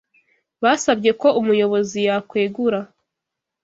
Basabye ko umuyobozi yakwegura.